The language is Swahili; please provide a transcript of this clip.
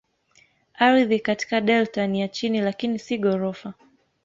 Ardhi katika delta ni ya chini lakini si ghorofa.